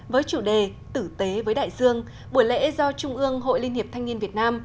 với chủ đề tử tế với đại dương buổi lễ do trung ương hội liên hiệp thanh niên việt nam